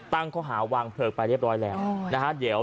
ตั้งเขาหาวางเผิกไปเรียบร้อยแล้ว